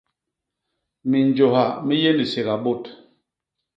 Minjôha mi yé ni sega bôt.